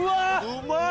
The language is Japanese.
うまい！